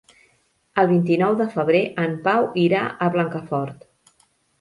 El vint-i-nou de febrer en Pau irà a Blancafort.